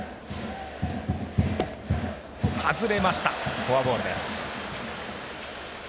外れました、フォアボールです。